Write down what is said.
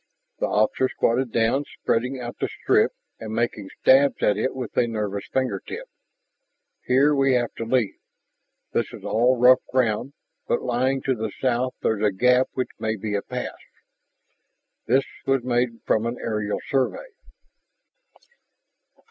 The officer squatted down, spreading out the strip and making stabs at it with a nervous finger tip. "Here we have to leave. This is all rough ground. But lying to the south there's a gap which may be a pass. This was made from an aerial survey."